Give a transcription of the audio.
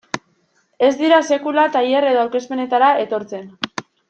Ez dira sekula tailer edo aurkezpenetara etortzen.